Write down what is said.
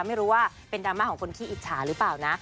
ไม่รู้ว่าเป็นดราม่าของคนขี้อิจฉาหรือเปล่านะ